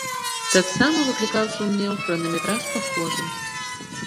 Таксама выклікаў сумнеў хранаметраж паходу.